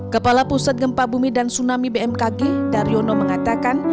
kepala pusat gempa bumi dan tsunami bmkg daryono mengatakan